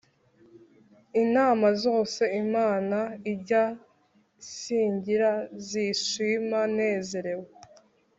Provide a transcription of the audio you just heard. Inama zose Imana ijya singira nzishima nezerewe